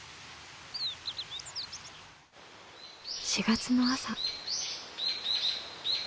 ４月の朝。